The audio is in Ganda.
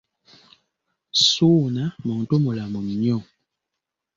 Ssuuna muntu mulamu nnyo.